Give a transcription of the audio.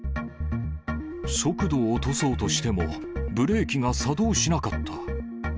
速度を落とそうとしても、ブレーキが作動しなかった。